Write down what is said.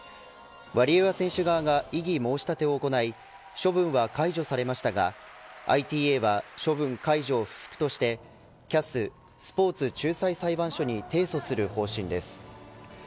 ワリエワ選手側が異議申し立てを行い処分は解除されましたがＩＴＡは処分解除を不服としてＣＡＳスポーツ仲裁裁判所に提訴する方針です。